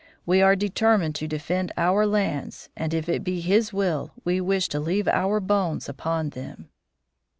We are determined to defend our lands, and if it be His will, we wish to leave our bones upon them."